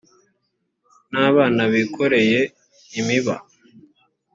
n’abana bikoreye imiba